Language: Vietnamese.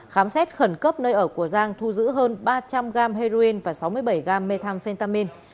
khám xét khẩn cấp nơi ở của giang thu giữ hơn ba trăm linh gram heroin và sáu mươi bảy gam methamphentamin